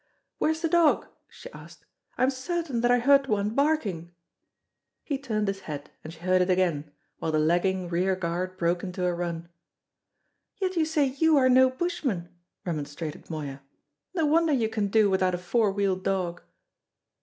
"Where's the dog?" she asked. "I'm certain that I heard one barking." He turned his head and she heard it again, while the lagging rearguard broke into a run. "Yet you say you are no bushman!" remonstrated Moya. "No wonder you can do without a four wheeled dog!"